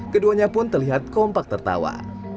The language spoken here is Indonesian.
keduanya pun terlihat kompak tertawa